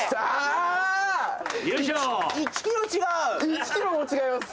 １ｋｇも違います。